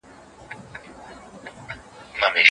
د نورو عزت وساتئ.